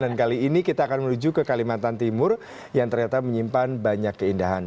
dan kali ini kita akan menuju ke kalimantan timur yang ternyata menyimpan banyak keindahan